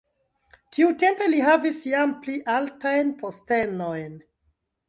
Tiutempe li havis jam pli altajn postenojn.